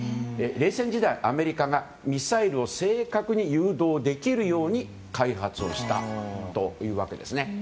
冷戦時代、アメリカがミサイルを正確に誘導できるように開発をしたというわけですね。